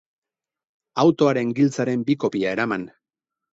Autoaren giltzaren bi kopia eraman.